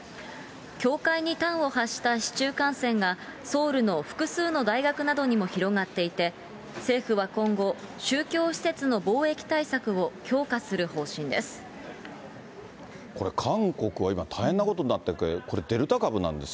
教会に端を発した市中感染がソウルの複数の大学などにも広がっていて、政府は今後、宗教施設の防疫対策を強化する方針です。